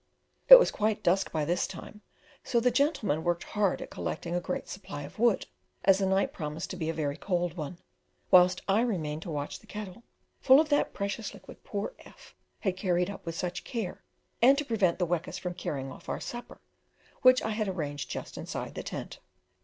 It was quite dusk by this time, so the gentlemen worked hard at collecting a great supply of wood, as the night promised to be a very cold one, whilst I remained to watch the kettle, full of that precious liquid poor F had carried up with such care, and to prevent the wekas from carrying off our supper, which I had arranged just inside the tent.